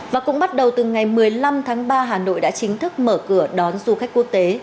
và cũng bắt đầu từ ngày một mươi năm tháng ba hà nội đã chính thức mở cửa đón du khách quốc tế